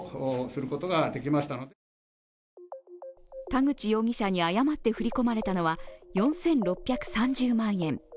田口容疑者に誤って振り込まれたのは４６３０万円。